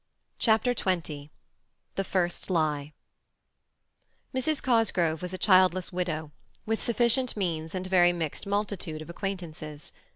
CHAPTER XX THE FIRST LIE Mrs. Cosgrove was a childless widow, with sufficient means and a very mixed multitude of acquaintances.